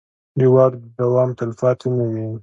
د واک دوام تلپاتې نه وي